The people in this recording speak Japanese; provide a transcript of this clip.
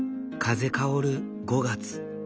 風薫る５月。